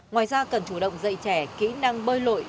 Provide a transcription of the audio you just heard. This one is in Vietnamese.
ngoài ra cần chủ động dạy trẻ kỹ năng bơi lội